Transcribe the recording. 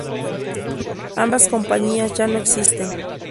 Ambas compañías ya no existen.